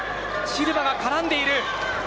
シルバが絡んでいる。